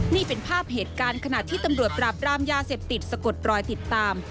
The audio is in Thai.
นี่เป็นภาพเหตุการณ์ขณะที่ตำรวจปราบรามยาเสพติดสะกดรอยติดตาม